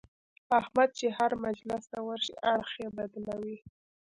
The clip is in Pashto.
احمد چې هر مجلس ته ورشي اړخ یې بدلوي.